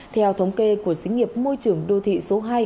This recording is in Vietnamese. theo thống kê của xí nghiệp môi trường đô thị số hai